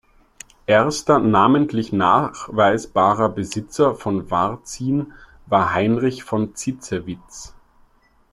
Erster namentlich nachweisbarer Besitzer von Varzin war Heinrich von Zitzewitz.